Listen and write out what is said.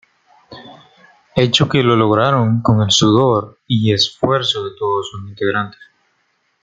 Hecho que lo lograron con el sudor y esfuerzo de todos sus integrantes.